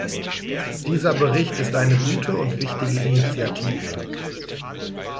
Dieser Bericht ist eine gute und wichtige Initiative.